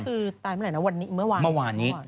ที่ปายเมื่อไหร่แล้วเมื่อวาน